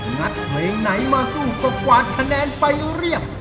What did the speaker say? เพลงไหนมาสู้ก็กวาดคะแนนไปเรียบ